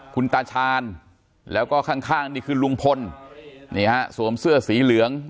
คุณตาชาญแล้วก็ข้างข้างนี่คือลุงพลนี่ฮะสวมเสื้อสีเหลือง